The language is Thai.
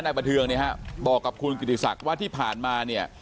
บันเทิงเนี่ยฮะบอกกับคุณกิติศักดิ์ว่าที่ผ่านมาเนี่ย